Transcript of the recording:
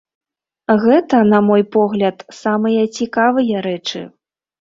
Гэта, на мой погляд, самыя цікавыя рэчы.